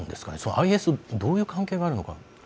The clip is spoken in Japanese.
ＩＳ、どういう関係があるのか。